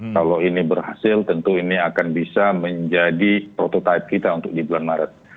kalau ini berhasil tentu ini akan bisa menjadi prototipe kita untuk di bulan maret